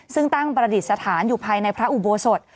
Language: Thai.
ซึ่งตั้งประดิษฐานอยู่ภายในพระอุโบสถ